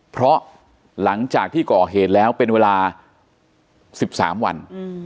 เพราะหลังจากที่ก่อเหตุแล้วเป็นเวลา๑๓วัน